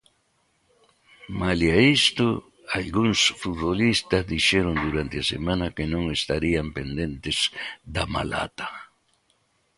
Malia isto, algúns futbolistas dixeron durante a semana que non estarían pendentes da Malata.